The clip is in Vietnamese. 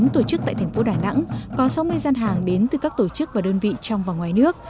tổ chức tại thành phố đà nẵng có sáu mươi gian hàng đến từ các tổ chức và đơn vị trong và ngoài nước